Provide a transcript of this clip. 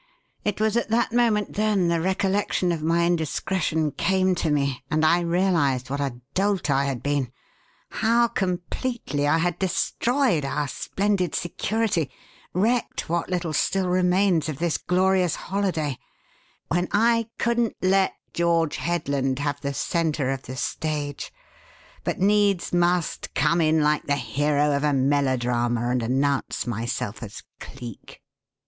It was at that moment then the recollection of my indiscretion came to me and I realized what a dolt I had been how completely I had destroyed our splendid security, wrecked what little still remains of this glorious holiday when I couldn't let 'George Headland' have the centre of the stage, but needs must come in like the hero of a melodrama and announce myself as Cleek.